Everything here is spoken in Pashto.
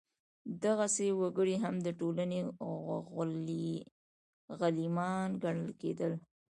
دغسې وګړي هم د ټولنې غلیمان ګڼل کېدل.